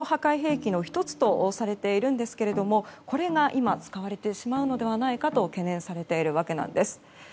共に大量破壊兵器の１つとされていますがこれが今使われてしまうのではないかと懸念されているわけなんです。